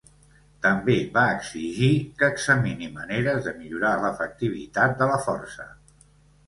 També va exigir que examini maneres de millorar l'efectivitat de la Força.